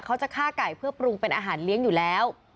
เขาจะฆ่าไก่เพื่อปรุงเป็นอาหารเลี้ยงอยู่แล้ว